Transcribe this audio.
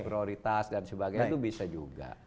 prioritas dan sebagainya itu bisa juga